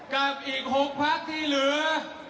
กับอีก๖พักที่เหลือ